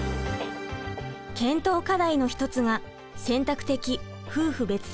検討課題の一つが選択的夫婦別姓制度です。